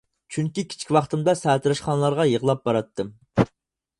چۈنكى كىچىك ۋاقتىمدا ساتىراشخانىلارغا يىغلاپ باراتتىم.